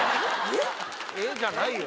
「えっ？」じゃないよ！